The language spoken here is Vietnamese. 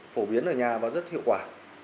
phổ biến ở nhà và rất hiệu quả